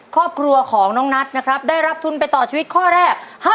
ครอบครัวของน้องนัทนะครับได้รับทุนไปต่อชีวิตข้อแรก